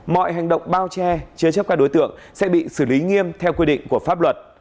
mọi hành động bao che chế chấp các đối tượng sẽ bị xử lý nghiêm theo quy định của pháp luật